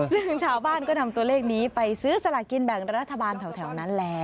ซึ่งชาวบ้านก็นำตัวเลขนี้ไปซื้อสลากินแบ่งรัฐบาลแถวนั้นแล้ว